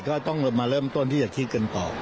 ก็ต้องมาเริ่มต้นที่จะคิดกันต่อ